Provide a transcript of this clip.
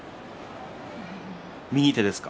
右手ですか？